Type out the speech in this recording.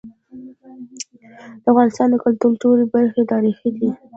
د افغانستان د کلتور ټولي برخي تاریخي دي.